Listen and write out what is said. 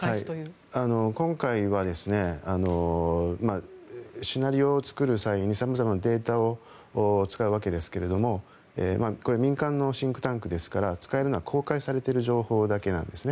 今回はシナリオを作る際にさまざまなデータを使うわけですけれども民間のシンクタンクですから使えるのは公開されている情報だけなんですね。